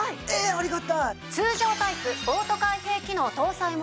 ありがたい！